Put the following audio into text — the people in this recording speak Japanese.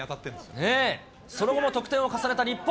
その後も得点を重ねた日本。